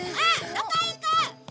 どこへ行く！？